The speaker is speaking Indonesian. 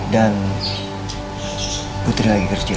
dan putri lagi kerja